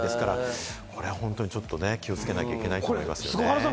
これ、本当に気をつけなきゃいけないと思いますね。